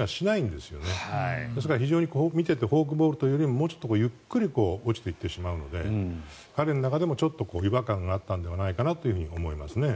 ですから、見ててフォークボールというよりもうちょっとゆっくり落ちていってしまうので彼の中でも違和感があったのではないかなと思いますね。